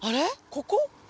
ここ？